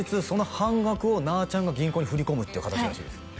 その半額をなぁちゃんが銀行に振り込むっていう形らしいです